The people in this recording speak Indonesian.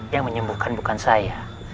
yang menyembuhkan bukan saya